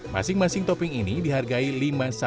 masing masing topping ini dihargai lima sepuluh rupiah saja